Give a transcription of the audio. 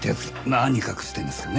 何隠してるんですかね？